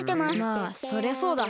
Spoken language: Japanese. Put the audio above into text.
まあそりゃそうだ。